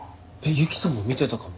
雪さんも見てたかも。